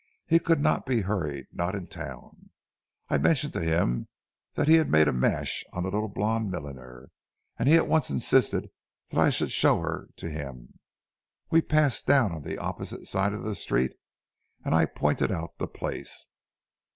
He could not be hurried—not in town. I mentioned to him that he had made a mash on the little blond milliner, and he at once insisted that I should show her to him. We passed down on the opposite side of the street and I pointed out the place.